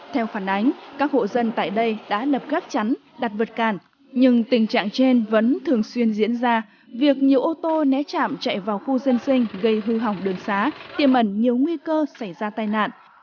theo phản ánh các hộ dân tại đây đã lập gác chắn đặt vật cản nhưng tình trạng trên vẫn thường xuyên diễn ra việc nhiều ô tô né chạm chạy vào khu dân sinh gây hư hỏng đường xá tiềm ẩn nhiều nguy cơ xảy ra tai nạn